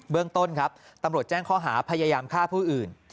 เรื่องต้นครับตำรวจแจ้งข้อหาพยายามฆ่าผู้อื่น